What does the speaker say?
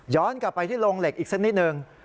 กลับไปที่โรงเหล็กอีกสักนิดนึง